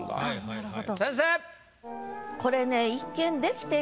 なるほど。